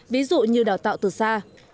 ví dụ như đào tạo từ xa